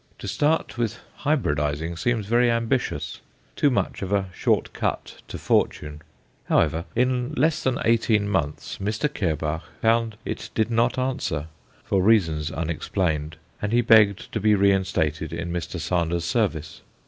To start with hybridizing seems very ambitious too much of a short cut to fortune. However, in less than eighteen months Mr. Kerbach found it did not answer, for reasons unexplained, and he begged to be reinstated in Mr. Sander's service.